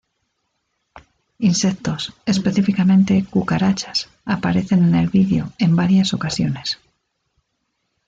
Insectos, específicamente cucarachas, aparecen en el video en varias ocasiones.